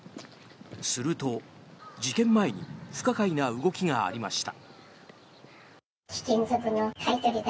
すると、事件前に不可解な動きがありました。